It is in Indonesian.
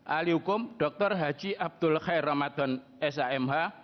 ahli agama prof dr h abdul khair ramadan s a m h